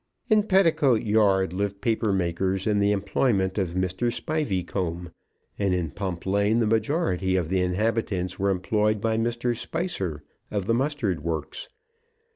In Petticoat Yard lived paper makers in the employment of Mr. Spiveycomb, and in Pump Lane the majority of the inhabitants were employed by Mr. Spicer, of the mustard works.